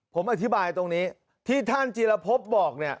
ผมอธิบายตรงนี้ที่ท่านจีรพบบอกเนี่ย